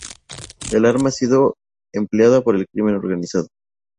El arma ha sido empleada por el crimen organizado.